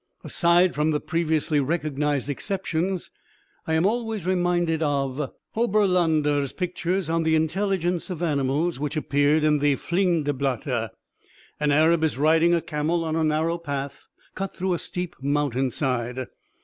Aside from the previously recognized exceptions, I am always reminded of Oberländer's pictures on "the intelligence of animals" which appeared in the Fliegende Blätter. An Arab is riding a camel on a narrow path cut through a steep mountain side.